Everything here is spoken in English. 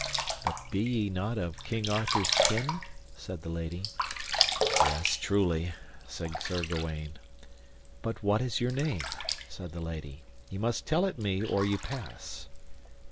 But be ye not of King Arthur's kin? said the lady. Yes truly, said Sir Gawaine. What is your name? said the lady, ye must tell it me or ye pass.